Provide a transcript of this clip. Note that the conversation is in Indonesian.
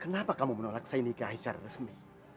kenapa kamu menolak saya nikah secara resmi